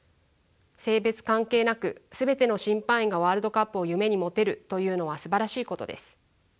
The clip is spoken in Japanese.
性別関係なく全ての審判員がワールドカップを夢に持てるというのはすばらしいことです。